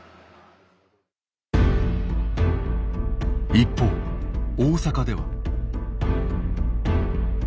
一方大阪では。